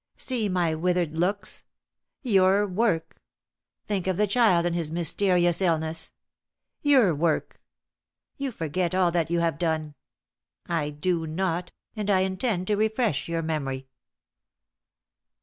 See my withered looks your work. Think of the child and his mysterious illness your work. You forget all that you have done. I do not; and I intend to refresh your memory."